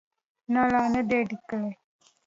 نه، لا نه ده لیکلې